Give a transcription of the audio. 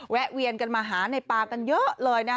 แวะเวียนกันมาหาในปางกันเยอะเลยนะ